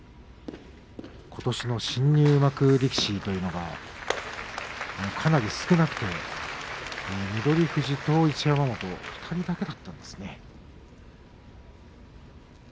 ことしの新入幕力士というのがかなり少なくて翠富士、一山本の２人だけだったんですね。